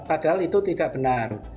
padahal itu tidak benar